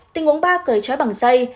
tình huống ba cởi chói bằng dây